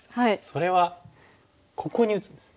それはここに打つんです。